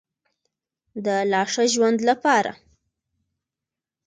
د لا ښه ژوند لپاره.